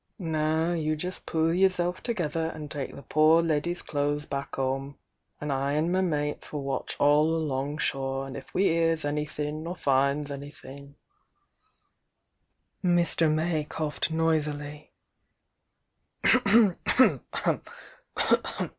Now you just pull yerself together an' take the poor leddy's clothes back 'ome— an' I an' my mates will watch all along shore, an' if we hears anythin' or finds anythin' " Mr. May coughed noisily.